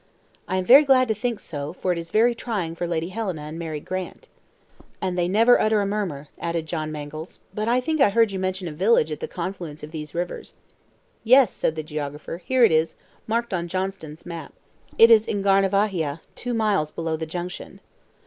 "I am very glad to think so, for it is very trying for Lady Helena and Mary Grant." "And they never utter a murmur," added John Mangles. "But I think I heard you mention a village at the confluence of these rivers." "Yes," said the geographer, "here it is, marked on Johnston's map. It is Ngarnavahia, two miles below the junction."